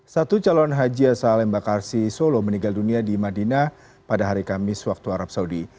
satu calon haji asal emba karsi solo meninggal dunia di madinah pada hari kamis waktu arab saudi